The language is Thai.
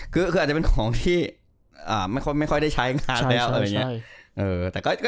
คืออาจจะเป็นของที่ไม่ค่อยได้ใช้งานแล้ว